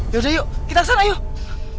yaudah yuk kita kesana yuk